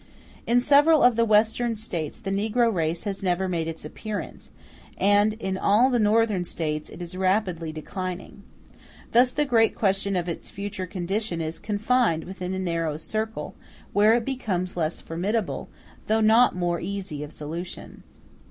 In several of the Western States the negro race never made its appearance, and in all the Northern States it is rapidly declining. Thus the great question of its future condition is confined within a narrow circle, where it becomes less formidable, though not more easy of solution.